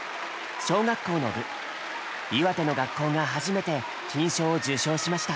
小学校の部岩手の学校が初めて金賞を受賞しました。